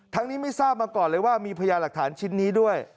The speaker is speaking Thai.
ไม่ทราบมาก่อนเลยว่ามีพยาหลักฐานชิ้นนี้ด้วย